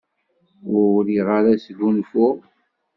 Ur riɣ ara ad sgunfuɣ.